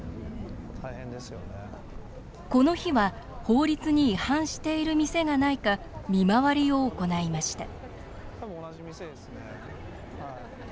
この日は、法律に違反している店がないか見回りを行いました